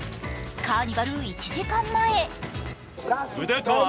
カーニバル１時間前。